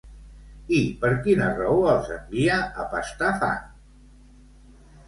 I per quina raó els envia a pastar fang?